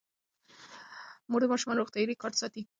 مور د ماشومانو روغتیايي ریکارډ ساتي.